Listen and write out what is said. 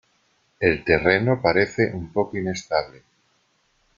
El terreno parece un poco inestable.